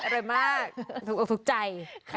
อร่อยมากถูกใจ